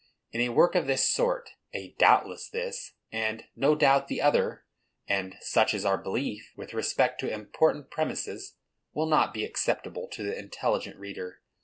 In a work of this sort, a "doubtless" this, and "no doubt" the other, and "such is our belief," with respect to important premises, will not be acceptable to the intelligent reader.